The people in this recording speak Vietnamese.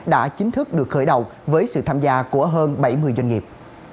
đã chính thức được khởi đầu với sự tham gia của hơn bảy mươi doanh nghiệp